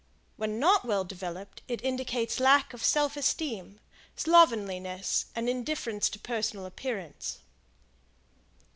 When not well developed, it indicates lack of self esteem, slovenliness and indifference to personal appearance.